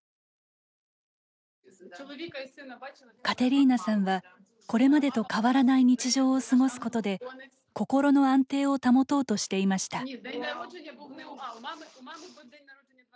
カテリーナさんは、これまでと変わらない日常を過ごすことで心の安定を保とうとしていました。